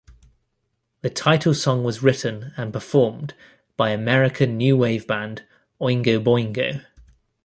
The title song was written and performed by American new wave band Oingo Boingo.